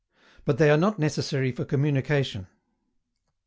BUT THEY ARE NOT NECESSARY FOR COMMUNICATION.